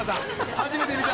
初めて見た。